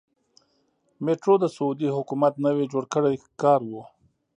میټرو د سعودي حکومت نوی جوړ کړی کار و.